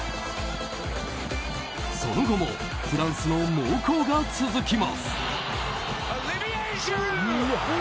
その後もフランスの猛攻が続きます。